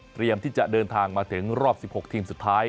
ที่จะเดินทางมาถึงรอบ๑๖ทีมสุดท้าย